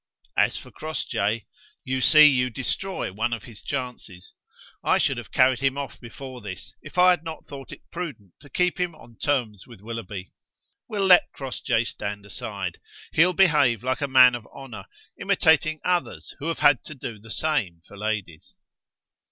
As for Crossjay, you see you destroy one of his chances. I should have carried him off before this, if I had not thought it prudent to keep him on terms with Willoughby. We'll let Crossjay stand aside. He'll behave like a man of honour, imitating others who have had to do the same for ladies."